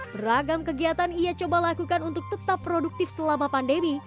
beragam kegiatan ia coba lakukan untuk tetap produktif selama pandemi